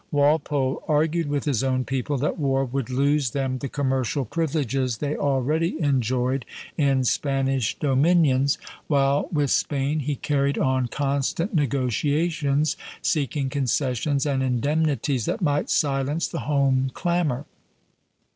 Walpole argued with his own people that war would lose them the commercial privileges they already enjoyed in Spanish dominions; while with Spain he carried on constant negotiations, seeking concessions and indemnities that might silence the home clamor.